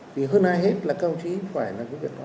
thì hơn ai hết là các học chí phải là các việc đó